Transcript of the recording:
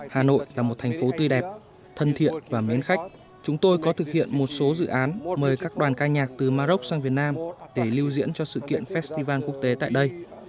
hà nội là một thành phố tươi đẹp thân thiện và mến khách chúng tôi có thực hiện một số dự án mời các đoàn ca nhạc từ maroc sang việt nam để lưu diễn cho sự kiện festival quốc tế tại đây